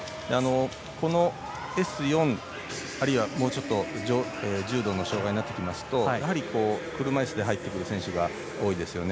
このＳ４、あるいはもうちょっと重度の障がいになってきますとやはり車いすで入ってくる選手が多いですよね。